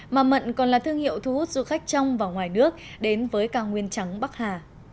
mà mận còn là thương hiệu thu hút du khách trong và ngoài nước đến với cao nguyên trắng bắc hà